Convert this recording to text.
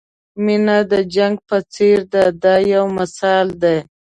مینه د جنګ په څېر ده دا یو مثال دی.